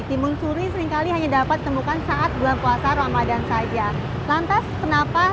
timun suri seringkali hanya dapat ditemukan saat bulan puasa ramadan saja lantas kenapa